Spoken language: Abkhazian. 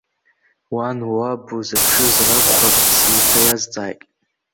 Уан, уаб узыԥшызар акәхап?сеиҭаиазҵааит.